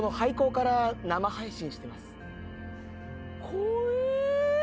怖え。